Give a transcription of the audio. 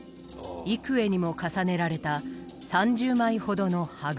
幾重にも重ねられた３０枚ほどの歯車。